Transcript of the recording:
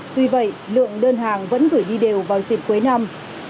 tuy vậy lượng đơn hàng vẫn gửi đi đều vào dịp cuối năm